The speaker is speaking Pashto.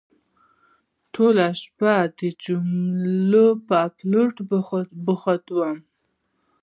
ټوله شپه د جملو په اپلوډ بوخت وم.